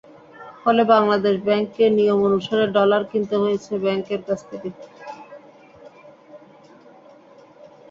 ফলে বাংলাদেশ ব্যাংককে নিয়ম অনুসারে ডলার কিনতে হয়েছে ব্যাংকের কাছ থেকে।